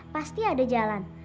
pasti ada jalan